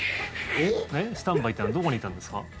スタンバイというのはどこにいたんですか？